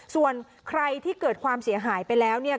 ส่วนใครที่เกิดความเสียหายไปแล้วเนี่ย